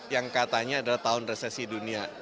yang katanya adalah tahun resesi dunia